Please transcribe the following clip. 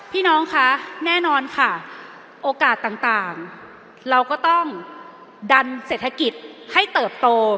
พี่น้องคะแน่นอนค่ะโอกาสต่างเราก็ต้องดันเศรษฐกิจให้เติบโต